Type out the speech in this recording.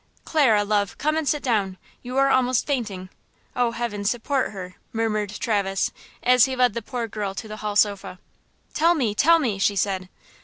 "Clara, love, come and sit down; you are almost fainting–(oh, heaven, support her!)" murmured Traverse, as he led the poor girl to the hall sofa. "Tell me! Tell me!" she said.